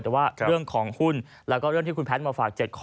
แต่ว่าเรื่องของหุ้นแล้วก็เรื่องที่คุณแพทย์มาฝาก๗ข้อ